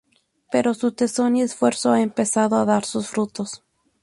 Pero su tesón y esfuerzo ha empezado a dar sus frutos.